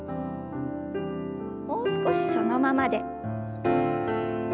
もう少しそのままで。